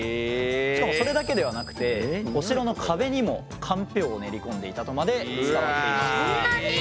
しかもそれだけではなくてお城の壁にもかんぴょうを練り込んでいたとまで伝わっています。